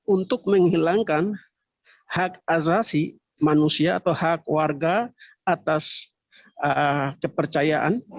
untuk menghilangkan hak azasi manusia atau hak warga atas kepercayaan